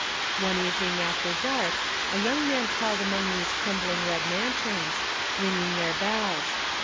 One evening after dark a young man prowled among these crumbling red mansions, ring ing their bells.